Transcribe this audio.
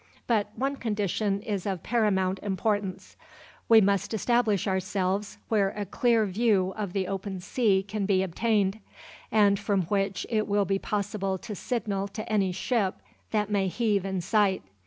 But one condition is of paramount importance; we must establish ourselves where a clear view of the open sea can be obtained, and from which it will be possible to signal to any ship that may heave in sight.